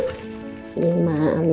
pokoknya ma lo maunya bahagia mir